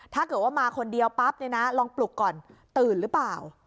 ถ้าเกิดว่ามาคนเดียวปั๊บเนี่ยนะลองปลุกก่อนตื่นหรือเปล่า